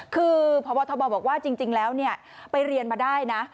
คือพบทบบอกว่าจริงแล้วไปเรียนมาได้นะ